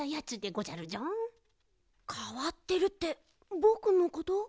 かわってるってぼくのこと？